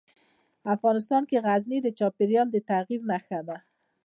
افغانستان کې غزني د چاپېریال د تغیر نښه ده.